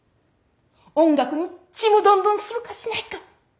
音楽にちむどんどんするかしないか。